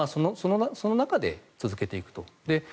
その中で続けていくと。